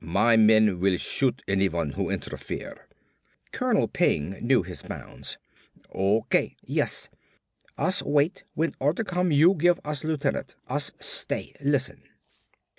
My men will shoot anyone who interfere." Colonel Peng knew his bounds. "O.K., yes. Us wait when order come you give us lieutenant. Us stay. Listen."